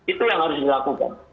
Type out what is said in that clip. itulah yang harus dilakukan